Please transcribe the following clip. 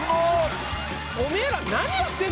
おめぇら。